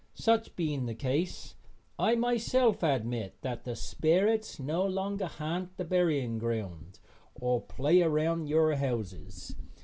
Such being the case, I myself admit that the sperrits no longer ha'nt the burying ground or play around your houses.